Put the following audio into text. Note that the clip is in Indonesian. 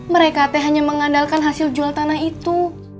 mereka teh hanya mengandalkan hasil jual tanah itu